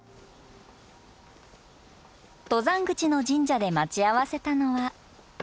登山口の神社で待ち合わせたのは。